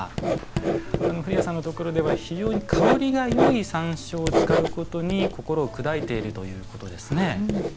降矢さんのところでは非常に香りのよい山椒を使うことに心を砕いているということですね。